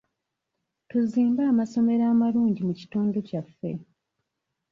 Tuzimbe amasomero amalungi mu kitundu kyaffe.